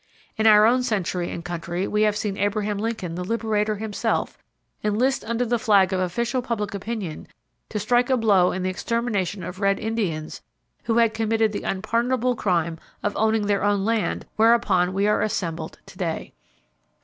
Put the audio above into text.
In our own century and country we have seen Abraham Lincoln, the liberator, himself, enlist under the flag of official public opinion to strike a blow in the extermination of red Indians who had committed the unpardonable crime of owning their own land whereon we are assembled to day.